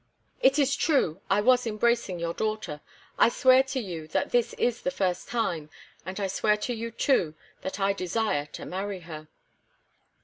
It is true, I was embracing your daughter. I swear to you that this is the first time and I swear to you, too, that I desire to marry her."